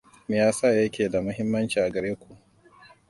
Me yasa yake da mahimmanci a gare ku?